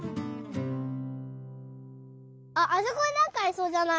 あっあそこになんかありそうじゃない？